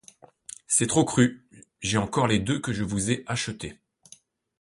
C'est trop cru, j'ai encore les deux que je vous ai achetées.